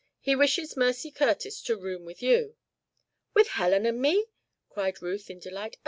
He wishes Mercy Curtis to room with you." "With Helen and me!" cried Ruth, in delight.